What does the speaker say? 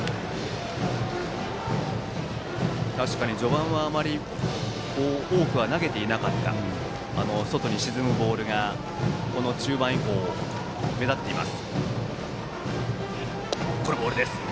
確かに序盤はあまり多く投げていなかった外に沈むボールが中盤以降、目立っています。